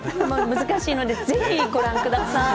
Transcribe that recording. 難しいのでぜひご覧ください。